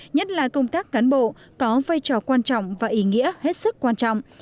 nhất là công tác cán bộ có vai trò quan trọng và ý nghĩa hết sức quan trọng